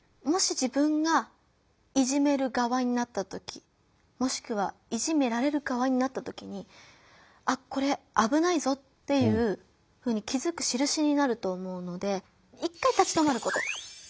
もし自分がいじめる側になった時もしくはいじめられる側になった時に「あっこれあぶないぞ」っていうふうに気づくしるしになると思うので一回立ち止まること。